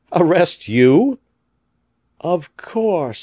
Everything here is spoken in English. arrest you!" "Of course.